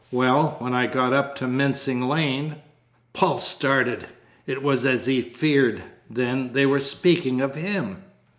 Well, when I got up to Mincing Lane " Paul started. It was as he had feared, then; they were speaking of him!